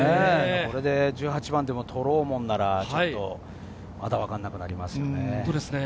これで１８番でも取ろうものなら、まだ分からなくなりますよね。